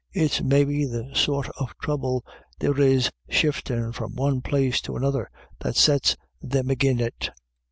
It's maybe the sort of throuble there is shiftin' from one place to another that sets thim agin it."